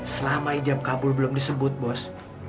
selama ijab kabul belum disebut bos